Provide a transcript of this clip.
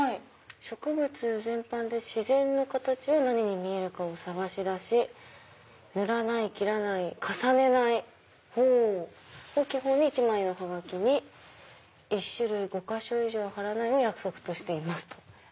「植物全般で自然の形を何に見えるかを探し出し『塗らない切らない重ねない』を基本に一枚のハガキに一種類５ケ以上は貼らないを約束としています」。